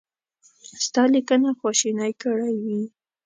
ستا لیکنه خواشینی کړی وي.